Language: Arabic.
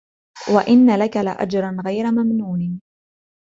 وَإِنَّ لَكَ لَأَجْرًا غَيْرَ مَمْنُونٍ